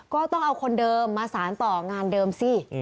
ก็ต้องเอาคนเดิมมาสารต่องานเดิมสิ